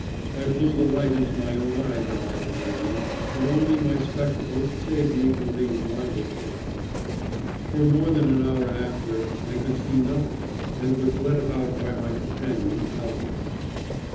I blew the light into my own eyes on that occasion, and only my spectacles saved me from being blinded for life. For more than an hour after I could see nothing and was led about by my companion, helpless.